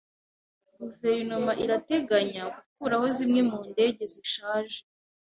Guverinoma irateganya gukuraho zimwe mu ndege zishaje.